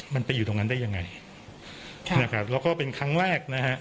มันไปอยู่ตรงนั้นได้ยังไงใช่นะครับแล้วก็เป็นครั้งแรกนะฮะ